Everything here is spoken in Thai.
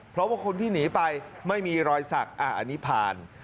เพราะว่าคนที่หนีไปไม่มีรอยสักอันนี้ผ่าน